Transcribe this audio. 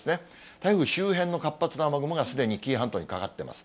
台風周辺の活発な雨雲が、すでに紀伊半島にかかっています。